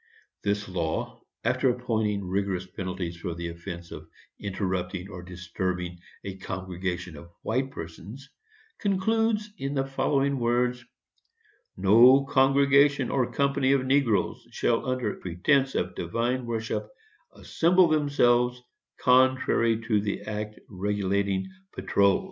This law, after appointing rigorous penalties for the offence of interrupting or disturbing a congregation of white persons, concludes in the following words: [Sidenote: Stroud, p. 92. Prince's Digest, p. 342.] No congregation, or company of negroes, shall, under pretence of divine worship, assemble themselves, contrary to the act regulating patrols. [Sidenote: Stroud, p.